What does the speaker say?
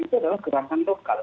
itu adalah gerakan lokal